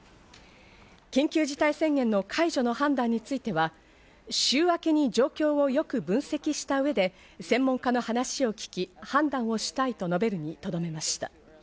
緊急事態宣言の解除の判断については、週明けに状況をよく分析した上で専門家の話を聞き判断をしたいと述べるにとどめました。